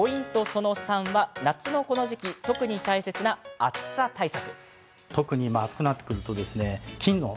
その３は夏のこの時期、特に大切な暑さ対策。